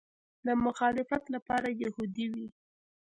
د مخالفت لپاره یهودي وي.